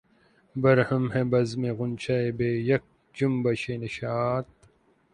برہم ہے بزمِ غنچہ بہ یک جنبشِ نشاط